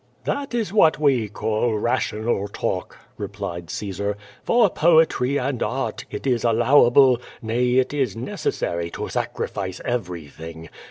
"That is what we call rational talk," replied Caesar. "For poetry and art, it is allowable, nay it is necessary to sacrifice everything.